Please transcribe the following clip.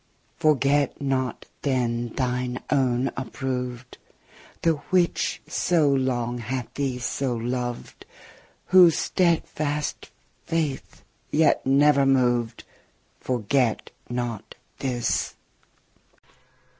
Forget not yet thine own approved, The which so long hath thee so loved, Whose steadfast faith yet never moved, Forget not this.